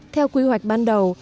theo quy hoạch ban đầu